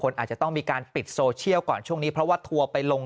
อาจจะต้องมีการปิดโซเชียลก่อนช่วงนี้เพราะว่าทัวร์ไปลง